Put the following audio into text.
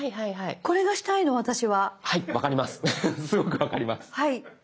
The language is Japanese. すごく分かります。